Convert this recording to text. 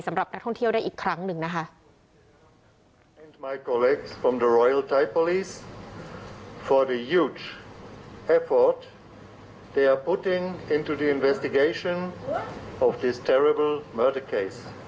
สำหรับนักท่องเที่ยวได้อีกครั้งหนึ่งนะคะ